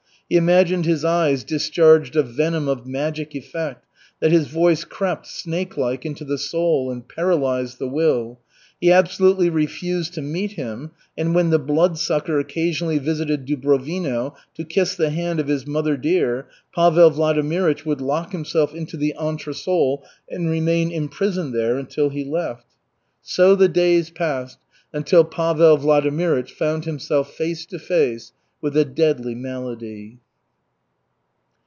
He imagined his eyes discharged a venom of magic effect, that his voice crept, snake like, into the soul and paralyzed the will. He absolutely refused to meet him, and when the Bloodsucker occasionally visited Dubrovino to kiss the hand of his mother dear, Pavel Vladimirych would lock himself into the entresol and remain imprisoned there until he left. So the days passed until Pavel Vladimirych found himself face to face with a deadly malady.